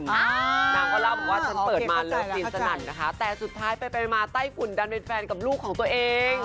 นางก็เล่าบอกว่าฉันเปิดมาแล้วกินสนั่นนะคะแต่สุดท้ายไปไปมาไต้ฝุ่นดันเป็นแฟนกับลูกของตัวเอง